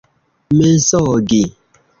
mensogi